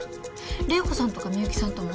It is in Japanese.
玲子さんとか美由紀さんとも？